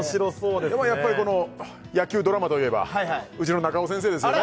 でもやっぱりこの野球ドラマといえばうちの中尾先生ですよね